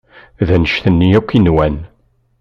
D anect-nni akk i nwan.